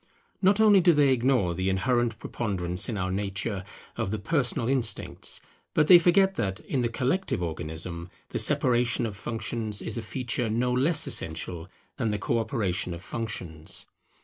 Not only do they ignore the inherent preponderance in our nature of the personal instincts; but they forget that, in the collective Organism, the separation of functions is a feature no less essential than the co operation of functions.